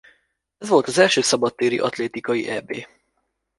Ez volt az első szabadtéri atlétikai Eb.